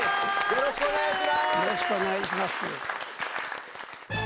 よろしくお願いします。